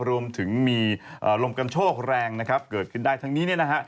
รวมถึงมีลมกันโชคแรงนะครับเกิดขึ้นได้ทั้งนี้เนี่ยนะฮะ